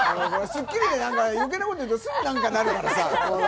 『スッキリ』で余計なこと言うと、すぐなるからさ。